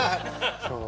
そう。